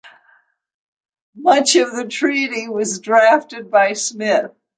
Much of the treaty was drafted by Smith.